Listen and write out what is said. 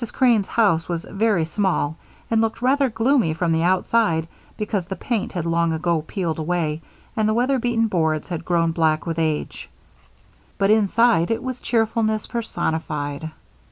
Crane's house was very small and looked rather gloomy from the outside because the paint had long ago peeled off and the weatherbeaten boards had grown black with age; but inside it was cheerfulness personified.